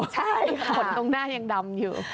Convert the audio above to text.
ใช่ขนตรงหน้ายังดำอยู่